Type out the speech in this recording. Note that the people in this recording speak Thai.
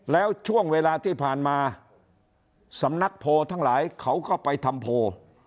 แล้วช่วงเวลาที่ผ่านมาสำนักโพลทั้งหลายเขาก็ไปทำโพล